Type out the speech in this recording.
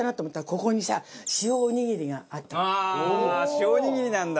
塩おにぎりなんだ！